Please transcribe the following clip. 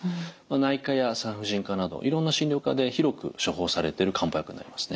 内科や産婦人科などいろんな診療科で広く処方されてる漢方薬になりますね。